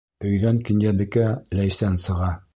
Өйҙән Кинйәбикә, Ләйсән сыға.